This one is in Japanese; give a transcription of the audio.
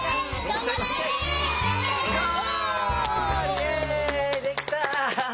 イエイできた！